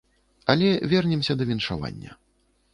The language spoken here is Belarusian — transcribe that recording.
Але вернемся да віншавання.